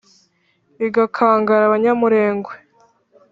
Igakangara abanyamurengwe